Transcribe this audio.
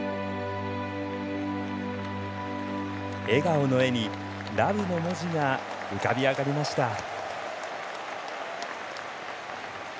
笑顔の絵に「ＬＯＶＥ」の文字が浮かび上がりました。